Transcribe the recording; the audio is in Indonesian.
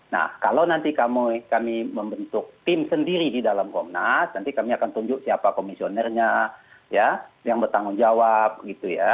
nah kalau nanti kami membentuk tim sendiri di dalam komnas nanti kami akan tunjuk siapa komisionernya ya yang bertanggung jawab gitu ya